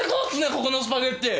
ここのスパゲティ。